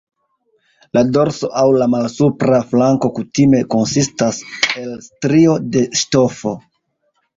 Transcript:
La dorso aŭ la malsupra flanko kutime konsistas el strio de ŝtofo.